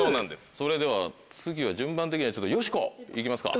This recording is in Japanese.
それでは次は順番的にはよしこ行きますか。